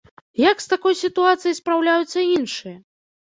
Як з такой сітуацыяй спраўляюцца іншыя?